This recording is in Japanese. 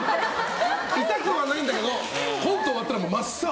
痛くはないんだけどコント終わったらもう真っ青。